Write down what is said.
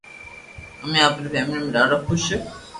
امي آپري فيملي مي ڌاڌو خوݾ